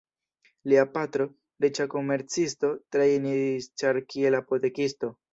Lia patro, riĉa komercisto, trejnis Carl kiel apotekisto.